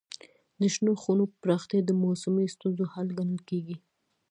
د شنو خونو پراختیا د موسمي ستونزو حل ګڼل کېږي.